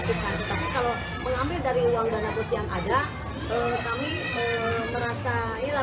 tapi kalau mengambil dari uang dana kursi yang ada kami merasa hilang